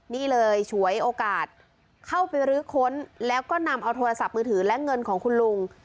นี่เลยฉวยโอกาสเข้าไปรื้อค้นแล้วก็นำเอาโทรศัพท์มือถือและเงินของคุณลุง